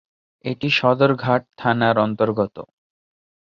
এটি সদরঘাট থানার অন্তর্গত।